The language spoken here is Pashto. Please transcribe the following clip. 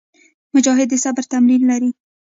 مجاهد د صبر تمرین لري.